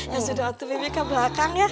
ya sudah waktu bibi ke belakang ya